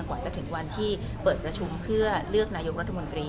กว่าจะถึงวันที่เปิดประชุมเพื่อเลือกนายกรัฐมนตรี